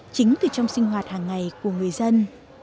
chính từ trong sinh hoạt hàng ngày của người dân